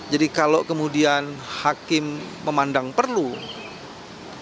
jadi kalau kemudian hakim memandang perlu untuk meminta presiden karena banyak juga disebut dalam dalil dalil